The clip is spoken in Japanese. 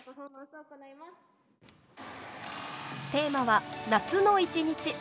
テーマは「夏の１日」。